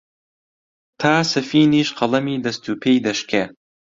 تا سەفینیش قەڵەمی دەست و پێی دەشکێ،